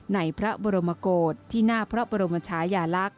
ในพระบรมโกศที่หน้าพระบรมชายาลักษณ์